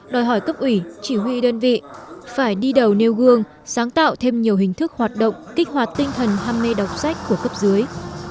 đòi hỏi cấp ủy chỉ huy đơn vị phải đi đầu nêu gương sáng tạo thêm nhiều hình thức hoạt động kích hoạt tinh thần ham mê đọc sách của cấp dưới